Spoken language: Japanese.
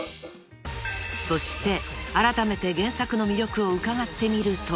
［そしてあらためて原作の魅力を伺ってみると］